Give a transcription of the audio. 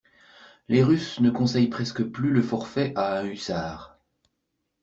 Les russes ne conseillent presque plus le forfait à un hussard...